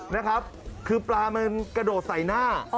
นะครับคือปลามันกระโดดใส่หน้า